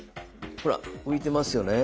ほら浮いてますよね。